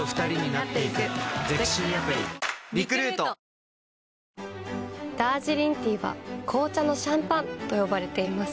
選ぶ日がきたらクリナップダージリンティーは紅茶のシャンパンと呼ばれています。